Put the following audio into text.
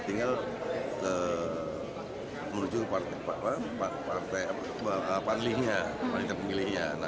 tinggal menuju partai panlihnya partai pemilihnya